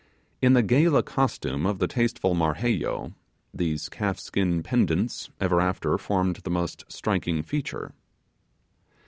In the gala costume of the tasteful Marheyo, these calf skin pendants ever after formed the most striking feature.